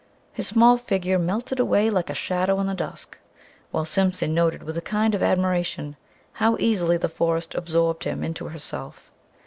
His small figure melted away like a shadow in the dusk, while Simpson noted with a kind of admiration how easily the forest absorbed him into herself.